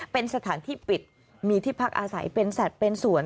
เป็นสถานที่ปิดมีที่พักอาศัยเป็นสัตว์เป็นสวน